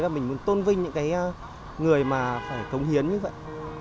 và mình muốn tôn vinh những cái người mà phải cống hiến như vậy